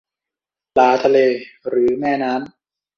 ปลาทะเลหรือแม่น้ำ ?